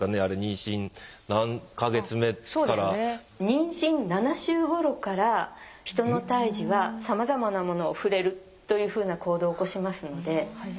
妊娠７週ごろからヒトの胎児はさまざまなものを触れるというふうな行動を起こしますので。